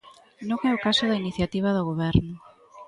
Non é o caso da iniciativa do Goberno.